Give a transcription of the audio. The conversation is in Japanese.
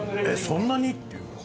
そんなに？っていうね。